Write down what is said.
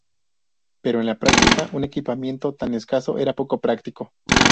Pero en la práctica un equipamiento tan escaso era poco práctico.